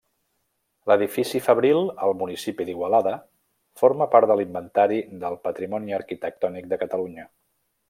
L'edifici fabril al municipi d'Igualada forma part de l'Inventari del Patrimoni Arquitectònic de Catalunya.